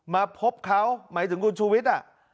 มาพบเขาหมายถึงคุณชูวิทย์